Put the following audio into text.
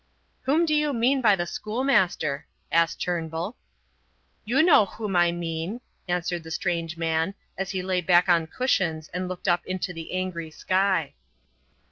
"Whom do you mean by the schoolmaster?" asked Turnbull. "You know whom I mean," answered the strange man, as he lay back on cushions and looked up into the angry sky.